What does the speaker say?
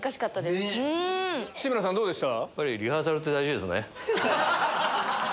志村さんどうでした？